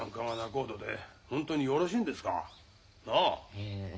ええ。